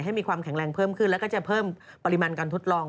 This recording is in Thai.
มีความแข็งแรงเพิ่มขึ้นแล้วก็จะเพิ่มปริมาณการทดลอง